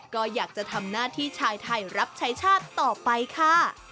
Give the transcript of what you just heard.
ก็อยากจะทำหน้าที่ชายไทยรับใช้ชาติต่อไปค่ะ